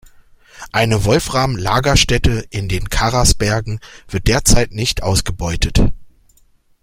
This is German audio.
Eine Wolfram-Lagerstätte in den Karas-Bergen wird derzeit nicht ausgebeutet.